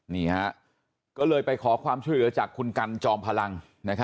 นี่ฮะก็เลยไปขอความช่วยเหลือจากคุณกันจอมพลัง